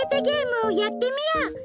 ゲームをやってみよう！